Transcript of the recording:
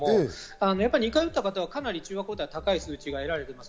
やっぱり２回打った方はかなり中和抗体で高い数字が得られています。